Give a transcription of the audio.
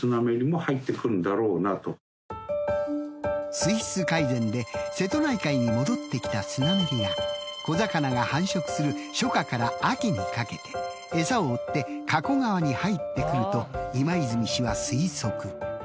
水質改善で瀬戸内海に戻ってきたスナメリが小魚が繁殖する初夏から秋にかけて餌を追って加古川に入ってくると今泉氏は推測。